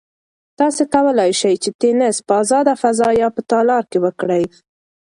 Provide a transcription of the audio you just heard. تاسو کولای شئ چې تېنس په ازاده فضا یا په تالار کې وکړئ.